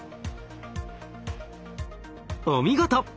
お見事！